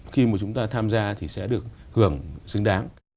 khi mà chúng ta tham gia thì sẽ được hưởng